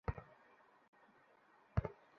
কেউ তা অনুধাবন করতে পেরেছে, কেউ বা পারেনি।